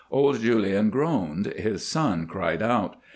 Old Julien groaned, his son cried out.